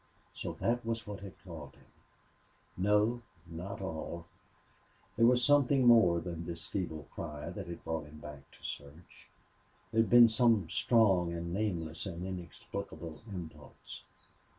So that was what had called to him. No not all! There was something more than this feeble cry that had brought him back to search; there had been some strong and nameless and inexplicable impulse.